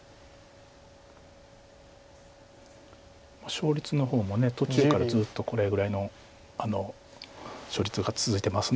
勝率の方も途中からずっとこれぐらいの勝率が続いてます。